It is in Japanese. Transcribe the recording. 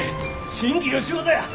新規の仕事や！